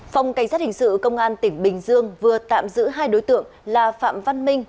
phòng cảnh sát hình sự công an tỉnh bình dương vừa tạm giữ hai đối tượng là phạm văn minh